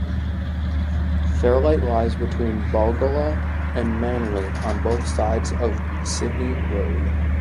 Fairlight lies between Balgowlah and Manly on both sides of Sydney Road.